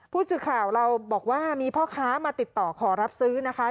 ผู้สื่อข่าวเราบอกว่ามีพ่อค้ามาติดต่อขอรับซื้อนะคะ